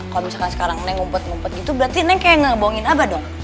kalau misalkan sekarang neng ngumpet ngumpet gitu berarti neng kayak ngebongin apa dong